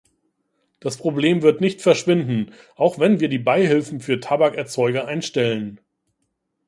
Das Problem wird nicht verschwinden, auch wenn wir die Beihilfen für Tabakerzeuger einstellen.